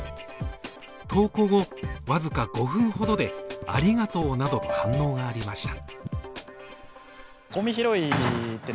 投稿後わずか５分ほどでありがとうなど反応がありました。